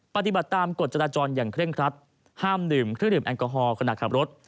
ปฏิบัติตามกฎจราจรอย่างเคร่งครัดห้ามดื่มเครื่องดื่มแอลกอฮอล์ขณะขับรถ